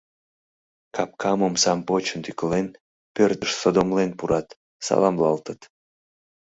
Капкам-омсам почын тӱкылен, пӧртыш содомлен пурат, саламлалтыт.